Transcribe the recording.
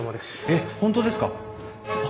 えっ本当ですか！？